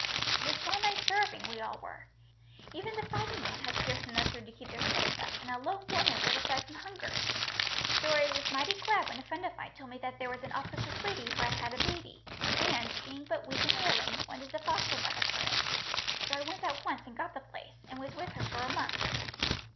It is well nigh starving we all were. Even the fighting men had scarce enough food to keep their strength up, and a lone woman would have died from hunger. So I was mighty glad, when a friend of mine told me that there was an officer's lady who had had a baby, and, being but weak and ailing, wanted a foster mother for it; so I went at once and got the place, and was with her for a month.